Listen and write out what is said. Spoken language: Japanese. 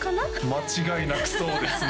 間違いなくそうですね